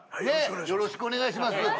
ねぇよろしくお願いします。